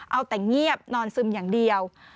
เอาแต่เงียบนอนซึมอย่างเดียว